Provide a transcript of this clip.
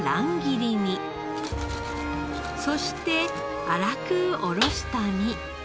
そして粗くおろした身。